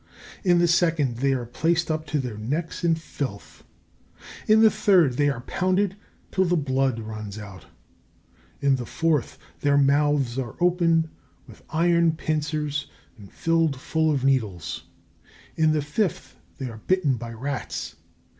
In the second, they are placed up to their necks in filth. In the third, they are pounded till the blood runs out. In the fourth, their mouths are opened with iron pincers and filled full of needles. In the fifth, they are bitten by rats.